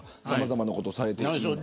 さまざまなことをされてます。